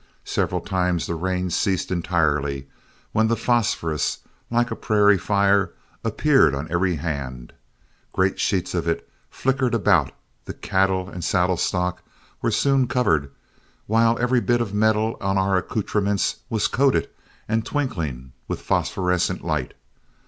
Several times the rain ceased entirely, when the phosphorus, like a prairie fire, appeared on every hand. Great sheets of it flickered about, the cattle and saddle stock were soon covered, while every bit of metal on our accoutrements was coated and twinkling with phosphorescent light.